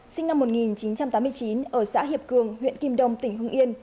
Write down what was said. sinh năm một nghìn chín trăm tám mươi chín ở xã hiệp cường huyện kim đông tỉnh hưng yên